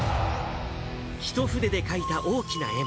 一筆で書いた大きな円。